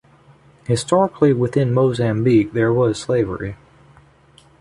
Historically within Mozambique there was slavery.